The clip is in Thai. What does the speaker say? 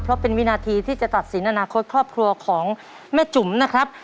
เพราะเป็นวินาทีที่จะตัดสินอนาคตครอบครัวของแม่จุ๋มนะครับ